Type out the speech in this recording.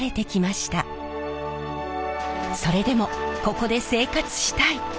それでもここで生活したい。